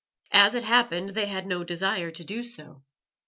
As it happened, they had no desire to do so.